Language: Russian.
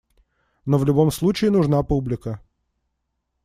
Но в любом случае нужна публика.